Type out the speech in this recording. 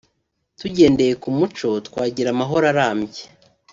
tugendeye ku muco twagira amahoro arambye